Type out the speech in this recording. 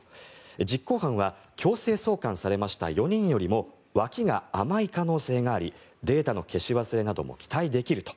実行犯は強制送還されました４人よりも脇が甘い可能性がありデータの消し忘れなども期待できると。